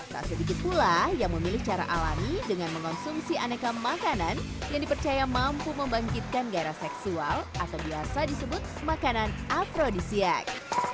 tak sedikit pula yang memilih cara alami dengan mengonsumsi aneka makanan yang dipercaya mampu membangkitkan gairah seksual atau biasa disebut makanan afrodisiak